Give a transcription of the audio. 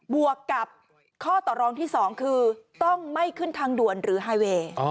วกกับข้อต่อรองที่๒คือต้องไม่ขึ้นทางด่วนหรือไฮเวย์